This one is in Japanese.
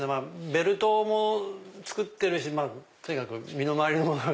ベルトも作ってるしとにかく身の回りのもの。